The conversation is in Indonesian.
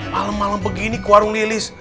malem malem begini ke warung lilis